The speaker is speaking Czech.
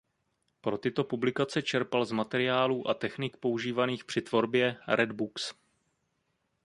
Pro tyto publikace čerpal z materiálů a technik používaných při tvorbě "Red Books".